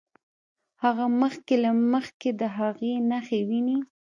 هغه مخکې له مخکې د هغې نښې ويني.